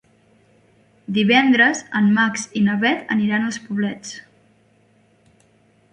Divendres en Max i na Bet aniran als Poblets.